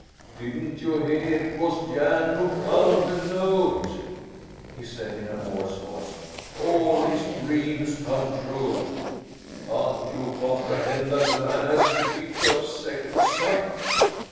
"Didn't you hear it was Jan who found the note?" he said in a hoarse voice. "All his dreams come true! Can't you comprehend that the man has the gift of second sight?